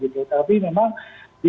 tapi memang di